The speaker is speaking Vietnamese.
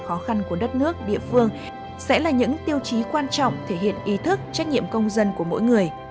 khó khăn của đất nước địa phương sẽ là những tiêu chí quan trọng thể hiện ý thức trách nhiệm công dân của mỗi người